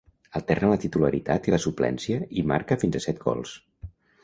Alterna la titularitat i la suplència i marca fins a set gols.